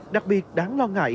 đặc biệt đáng lo ngại